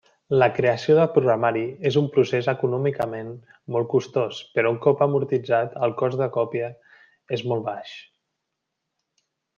La creació de programari és un procés econòmicament molt costós però, un cop amortitzat, el cost de còpia és molt baix.